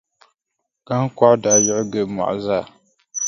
Kahiŋkɔɣu daa yiɣi gili mɔɣu zaa.